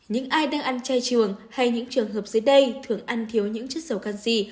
những ai đang ăn chay trường hay những trường hợp dưới đây thường ăn thiếu những chất dầu canxi